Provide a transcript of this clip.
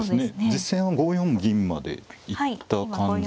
実戦は５四銀まで行った感じですかね。